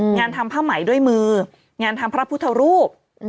งานทำผ้าไหมด้วยมืองานทำพระพุทธรูป